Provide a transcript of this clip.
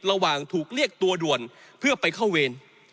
ระหว่างถูกเรียกตัวด่วนเพื่อไปเข้าเวร